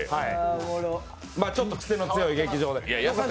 ちょっと癖の強い劇場で。